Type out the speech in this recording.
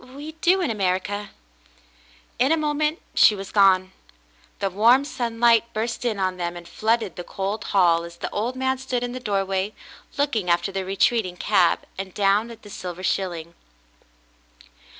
We do in America." In a moment she was gone. The warm sunlight burst in on them and flooded the cold hall as the old man stood in the doorway looking after the retreating cab, and down at the silver shilling.